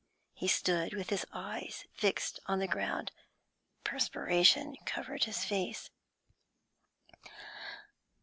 He stood with his eyes fixed on the ground; perspiration covered his face.